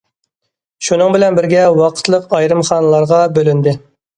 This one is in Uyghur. شۇنىڭ بىلەن بىرگە ۋاقىتلىق ئايرىم خانىلارغا بۆلۈندى.